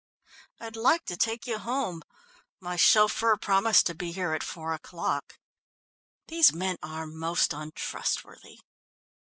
"I'd like to take you home. My chauffeur promised to be here at four o'clock. These men are most untrustworthy."